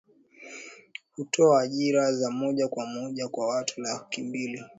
Hutoa ajira za moja kwa moja kwa watu laki mbili